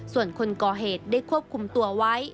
ส่วนคนก่อเหตุได้ควบคุมตัวไว้